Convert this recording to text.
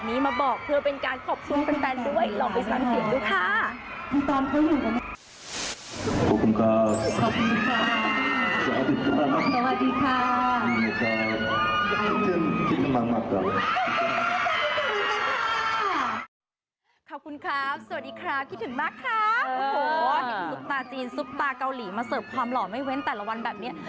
เห็นซุปตาจีนซุปตาเกาหลีมาเสิร์ฟความหล่อไม่เว้นแต่ละวันแบบนี้